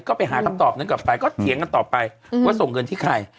ก็ไปหาคำตอบนั้นกลับไปก็เถียงกันต่อไปว่าส่งเงินที่ใคร